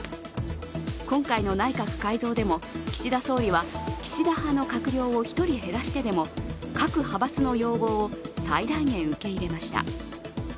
今回の内閣改造でも岸田総理は岸田派の閣僚を１人減らしてでも各派閥の要望を最大限受け入れました。